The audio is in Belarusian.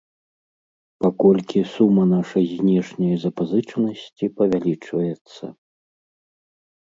Паколькі сума нашай знешняй запазычанасці павялічваецца.